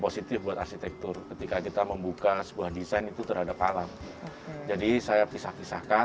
positif buat arsitektur ketika kita membuka sebuah desain itu terhadap alam jadi saya pisah pisahkan